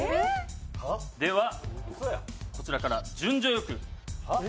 ではこちらから順序良く。